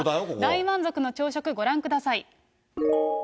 大満足の朝食、ご覧ください。